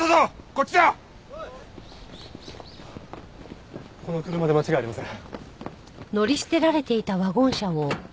この車で間違いありません。